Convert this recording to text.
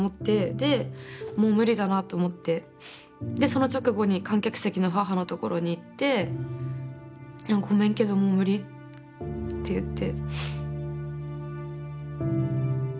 でもう無理だなと思ってその直後に観客席の母のところに行って「ごめんけどもう無理」って言って。